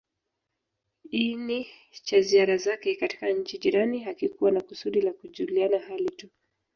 iini cha ziara zake katika nchi jirani hakikuwa na kusudi la kujuliana hali tu